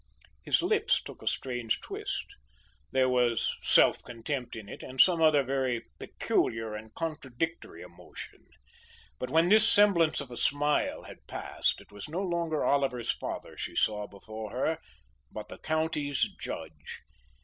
His lips took a strange twist. There was self contempt in it, and some other very peculiar and contradictory emotion. But when this semblance of a smile had passed, it was no longer Oliver's father she saw before her, but the county's judge.